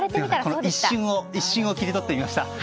この一瞬を切り取ってみました。